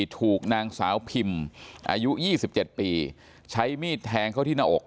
ถูกนางสาวพิมอายุ๒๗ปีใช้มีดแทงเข้าที่หน้าอก